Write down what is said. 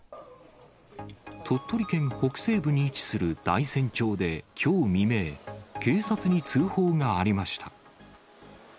鳥取県北西部に位置する大山町できょう未明、警察に通報がありました。